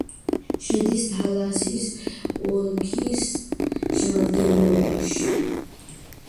შედის თალასის ოლქის შემადგენლობაში.